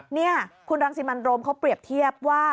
นี่คุณรังสิมันโรมเขาเปรียบเทียบว่า